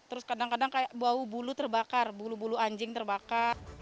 terus kadang kadang kayak bau bulu terbakar bulu bulu anjing terbakar